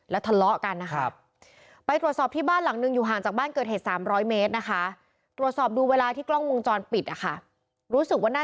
และทะเลาะกันนะคะ